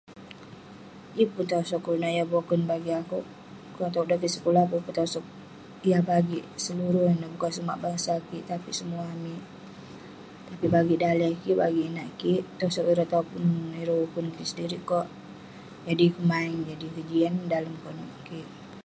Yeng pun tosog kelunan yah boken bagik akouk, konak towk dan kik sekulah pun peh tosog yah bagik seluruh neh..bukan sumak bangsa kik, tapik semuah amik..tapik bagik daleh kik, bagik inak kik, tosog ireh topun ireh ukun kik sedirik kerk jadi pemaeng jadi kejian dalem konep kik..